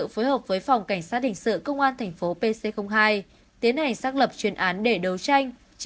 phối hợp với phòng cảnh sát hình sự công an thành phố pc hai tiến hành xác lập chuyên án để đấu tranh